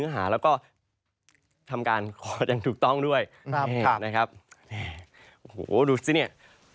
โหดูสิเนี่ย